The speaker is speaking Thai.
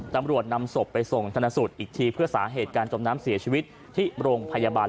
ตำรวจนำศพไปส่งธนสูตรอีกทีเพื่อสาเหตุการจมน้ำเสียชีวิตที่โรงพยาบาล